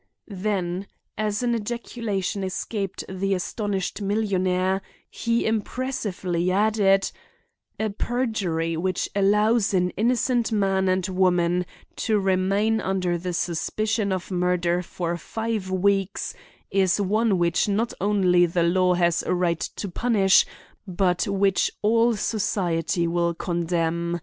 Then, as an ejaculation escaped the astonished millionaire, he impressively added: "A perjury which allows an innocent man and woman to remain under the suspicion of murder for five weeks is one which not only the law has a right to punish, but which all society will condemn.